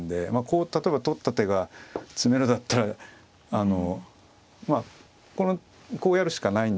こう例えば取った手が詰めろだったらまあこのこうやるしかない。